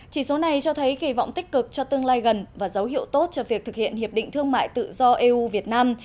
chỉ số này cho thấy kỳ vọng tích cực cho tương lai gần và dấu hiệu tốt cho việc thực hiện hiệp định thương mại tự do eu việt nam